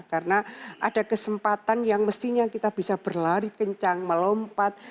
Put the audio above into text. karena ada kesempatan yang mestinya kita bisa berlari kencang melompat